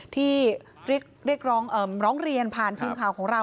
ที่เรียกร้องเรียนผ่านทีมข่าวของเรา